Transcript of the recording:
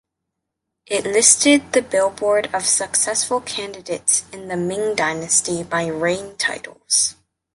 It listed the billboard of successful candidates in the Ming Dynasty by reign titles.